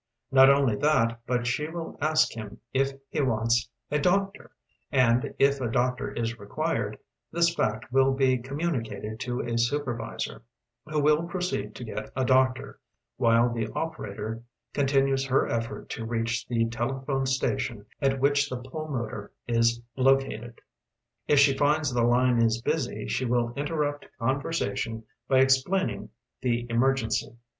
Not only that, but she will ask him if he wants a doctor, and, If a doctor Is required, this fact will be communicated to a supervisor who will proceed to get a doctor, while tbe operator continues her effort to reach tbe telephone station at which the pul motor is located. If she Hods the line is busy, she will Interrupt conversation by explaining tbe emergency.